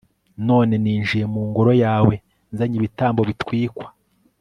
none ninjiye mu ngoro yawe nzanye ibitambo bitwikwa